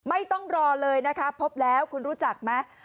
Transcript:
ไม่ต้องรอเลยนะคะพบแล้วคุณรู้จักไหม